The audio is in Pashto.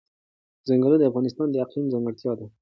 ځنګلونه د افغانستان د اقلیم ځانګړتیا ده.